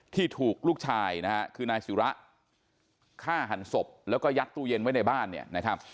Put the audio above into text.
ที่ถูกลูกชายคือนายสิระฆ่าหันศพแล้วก็ยักษ์ตู้เย็นไว้ในบ้าน